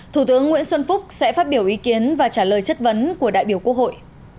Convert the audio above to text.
thủ tướng nguyễn xuân phúc sẽ phát biểu ý kiến và trả lời chất vấn của đại biểu quốc hội